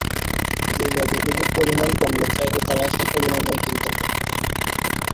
যে যতটুকু পরিমাণ পণ্য চাইবে, তারা সে পরিমাণই কিনতে পারবে।